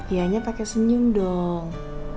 ianya pake senyum dong